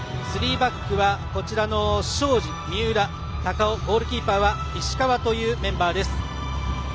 スリーバックは昌子、三浦、高尾ゴールキーパーは石川というメンバーです。